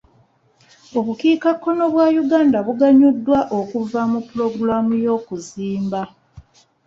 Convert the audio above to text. Obukiikakkono bwa Uganda buganyuddwa okuva mu pulogulamu y'okuzimba.